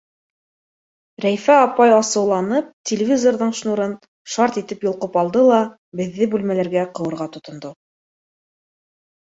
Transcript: — Рәйфә апай асыуланып телевизорҙың шнурын шарт итеп йолҡоп алды ла, беҙҙе бүлмәләргә ҡыуырға тотондо.